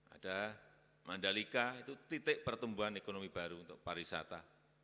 ada mandalika itu titik pertumbuhan ekonomi baru untuk pariwisata